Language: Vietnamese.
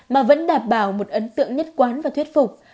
mà vẫn đảm bảo một ấn tượng nhất quán và thuyết phục